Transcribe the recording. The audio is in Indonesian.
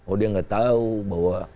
oh dia gak tau bahwa